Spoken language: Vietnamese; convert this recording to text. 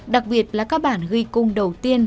đặc biệt là các bản ghi cung đầu tiên